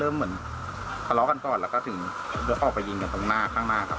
เริ่มเหมือนขอเตอร์กันก่อนแล้วก็จึงออกไปหยิงกันถึงหน้าข้างหน้าครับ